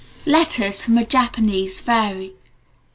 Letters from a Japanese Fairy.